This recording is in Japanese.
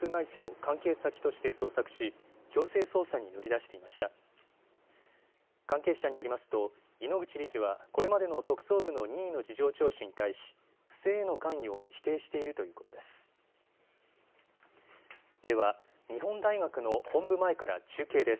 関係者によりますと井ノ口理事はこれまでの特捜部の任意の事情聴取に対し不正への関与を否定しているということです。